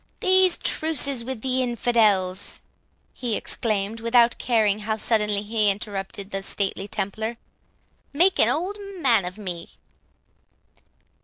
"These truces with the infidels," he exclaimed, without caring how suddenly he interrupted the stately Templar, "make an old man of me!"